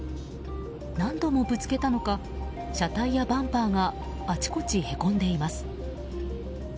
何度もぶつけたのか車体やバンパーがあちこちへこんでいます。